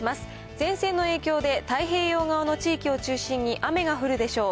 前線の影響で太平洋側の地域を中心に雨が降るでしょう。